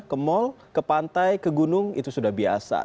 ke mall ke pantai ke gunung itu sudah biasa